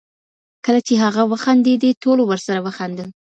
کله چي هغه وخندېدی، ټولو ورسره وخندل.